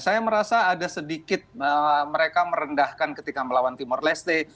saya merasa ada sedikit mereka merendahkan ketika melawan timor leste